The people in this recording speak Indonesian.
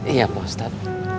iya pak ustadz